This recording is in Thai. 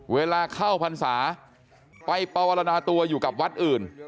เวลาเข้าพรรษาไปปวรรณาตัวอยู่กับวัดอื่น